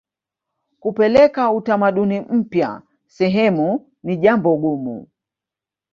kupeleka utamaduni mpya sehemu ni jambo gumu